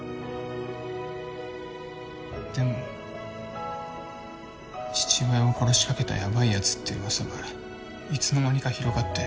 でも父親を殺しかけたヤバいやつって噂がいつの間にか広がって。